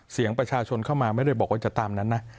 เสียงประชาชนเข้ามาไม่ได้บอกว่าจะตามนั้นนะ